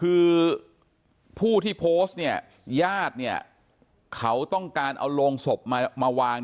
คือผู้ที่โพสต์เนี่ยญาติเขาต้องการเอาโรงศพมาวาง